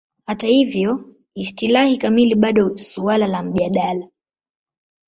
Hata hivyo, istilahi kamili bado suala la mjadala.